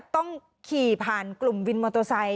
ต้องขี่ผ่านกลุ่มวินมอเตอร์ไซค